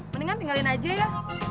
mendingan tinggalin aja ya